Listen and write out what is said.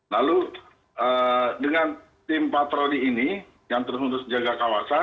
lalu dengan tim patroli ini yang terus menerus jaga kawasan